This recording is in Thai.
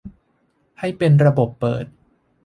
ให้เป็นระบบเปิด